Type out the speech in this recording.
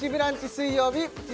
水曜日プチ